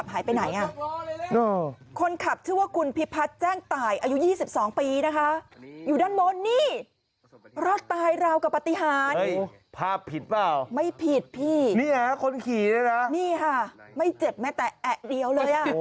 เฮ้ยภาพผิดเปล่านี่ค่ะคนขี่เลยนะไม่เจ็บแม้แตะแอะเดียวเลย